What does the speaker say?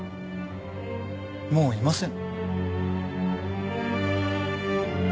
もういません。